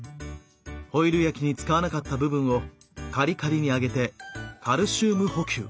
ホイル焼きに使わなかった部分をカリカリに揚げてカルシウム補給。